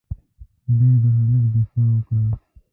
بوډۍ د هلک دفاع وکړه.